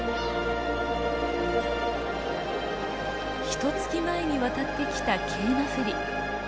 ひとつき前に渡ってきたケイマフリ。